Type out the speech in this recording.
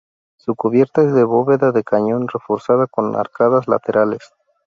Su cubierta es de bóveda de cañón reforzada con arcadas laterales.